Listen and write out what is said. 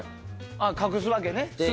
隠すわけね。